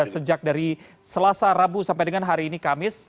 sejak dari selasa rabu sampai dengan hari ini kamis